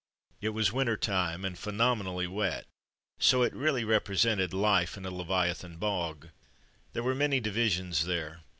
It was winter time, and phenomenally wet, so it really represented 40 From Mud to Mufti life in a leviathan bog. There were many divisions there.